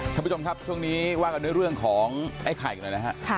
ท่านผู้ชมครับช่วงนี้ว่ากันด้วยเรื่องของไอ้ไข่กันหน่อยนะฮะ